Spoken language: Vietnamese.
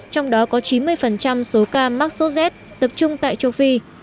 trong đó có chín mươi số ca mắc sốt z tập trung tại châu phi